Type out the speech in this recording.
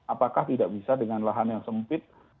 apakah tidak bisa dengan lahan yang sempit